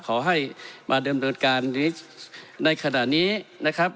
ขอให้มาดำเนินการในขณะนี้นะครับ